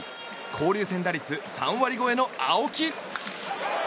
交流戦打率３割超えの青木。